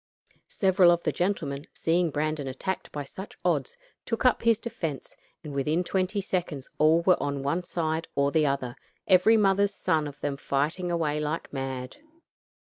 Several of the gentlemen, seeing Brandon attacked by such odds, took up his defense, and within twenty seconds all were on one side or the other, every mother's son of them fighting away like mad.